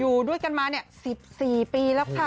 อยู่ด้วยกันมา๑๔ปีแล้วค่ะ